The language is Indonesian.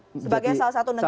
sebagai salah satu negara